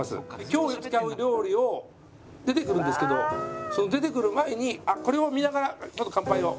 今日使う料理を出てくるんですけど出てくる前にこれを見ながらちょっと乾杯を。